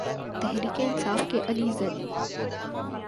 تحریک انصاف کے علی زیدی